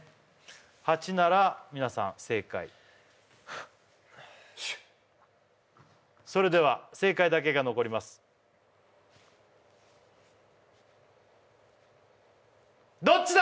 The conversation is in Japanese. ８なら皆さん正解それでは正解だけが残りますどっちだ？